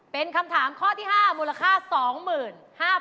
เป็นคำถามข้อที่๕มูลค่า๒๕๐๐บาท